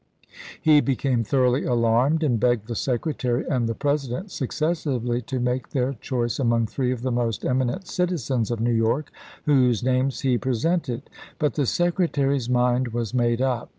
He became thoroughly alarmed, and begged the Secre tary and the President successively to make their choice among three of the most eminent citizens of New York, whose names he presented; but the Secretary's mind was made up.